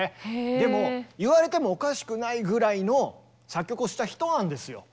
でも言われてもおかしくないぐらいの作曲をした人なんですよ。